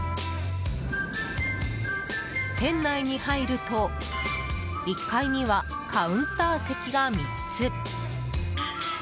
店内に入ると１階にはカウンター席が３つ。